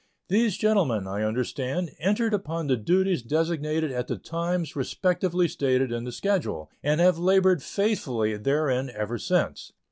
These gentlemen, I understand, entered upon the duties designated at the times respectively stated in the schedule, and have labored faithfully therein ever since.